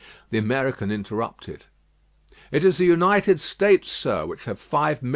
The American interrupted: "It is the United States, sir, which have 5,500,000."